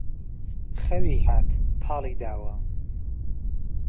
خەوی هات پاڵی داوه